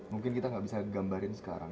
mungkin kita tidak bisa gambarkan sekarang